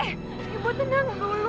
ibu tenang dulu